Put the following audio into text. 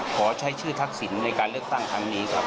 ขอใช้ชื่อทักษิณในการเลือกตั้งครั้งนี้ครับ